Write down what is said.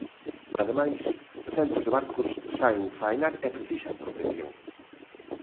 Ademais, centos de barcos saen faenar e precisan protección.